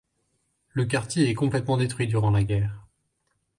Le quartier est complètement détruit durant la guerre.